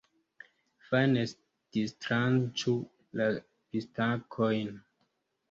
Fajne distranĉu la pistakojn.